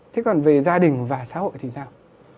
thế còn về gia đình và xã hội thì sao